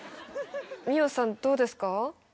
美音さんどうですか？